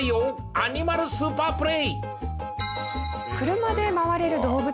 アニマルスーパープレー。